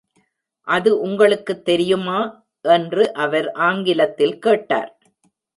"அது உங்களுக்குத் தெரியுமா?" என்று அவர் ஆங்கிலத்தில் கேட்டார்.